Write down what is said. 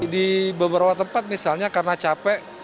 di beberapa tempat misalnya karena capek